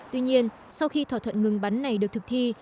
tuy nhiên sau khi thỏa thuận ngừng bắn này được thực thi